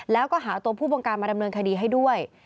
แล้วก็หาตัวผู้บงการมาดำเนินคดีให้ด้วย